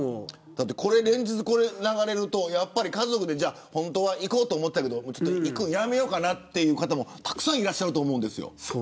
連日これが流れると家族で本当は行こうと思っていたけどやめようかなという方もたくさんいらっしゃると思います。